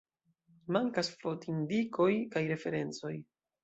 Mankas fontindikoj kaj referencoj.